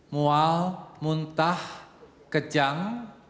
mual muntah kejang